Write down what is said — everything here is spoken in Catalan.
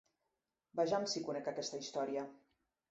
Vejam si conec aquesta història.